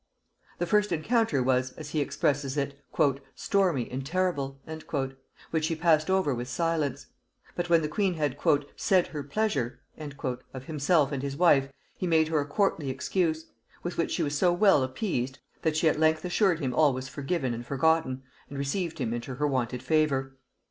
The first encounter was, as he expresses it, "stormy and terrible," which he passed over with silence; but when the queen had "said her pleasure" of himself and his wife, he made her a courtly excuse; with which she was so well appeased, that she at length assured him all was forgiven and forgotten, and received him into her wonted favor.